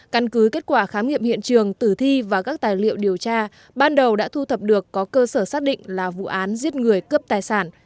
căn cứ kết quả khám nghiệm hiện trường tử thi và các tài liệu điều tra ban đầu đã thu thập được có cơ sở xác định là vụ án giết người cướp tài sản